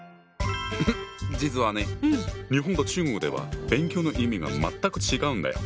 実はね日本と中国では「勉強」の意味が全く違うんだよ。